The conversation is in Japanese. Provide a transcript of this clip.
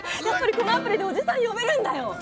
やっぱりこのアプリでおじさん呼べるんだよ。